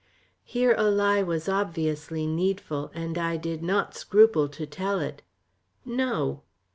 Here a lie was obviously needful, and I did not scruple to tell it. "No."